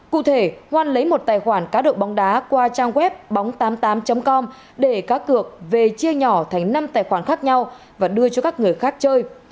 cụ thể hoan lấy một tài khoản cá độ bóng đá qua trang web bóng tám mươi tám com để cá cược về chia nhỏ thành năm tài khoản khác nhau và đưa cho các người khác chơi